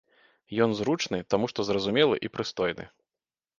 Ён зручны, таму што зразумелы і прыстойны.